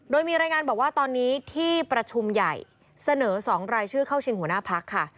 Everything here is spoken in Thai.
โดยมีรายงานบอกว่าตอนนี้ที่ประชุมใหญ่เสนอ๒รายชื่อเข้าชิงหัวหน้าพักค่ะ